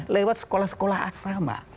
lewat sekolah sekolah asrama